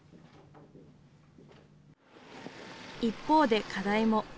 一方で課題も。